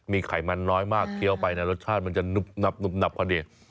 มีไขมันน้อยมากเทียบไปแล้วรสชาติมันจะหนุบหนับหนุบหนับกว่าดี